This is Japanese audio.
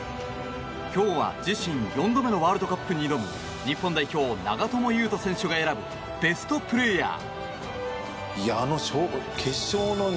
今日は自身４度目のワールドカップに挑む日本代表・長友佑都選手が選ぶベストプレーヤー。